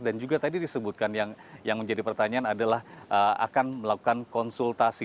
dan juga tadi disebutkan yang menjadi pertanyaan adalah akan melakukan konsultasi